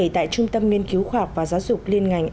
tại trung tâm nghiên cứu khoa học và giáo dục liên ngành